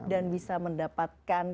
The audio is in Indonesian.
dan bisa mendapatkan